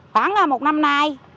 khoảng là một năm nay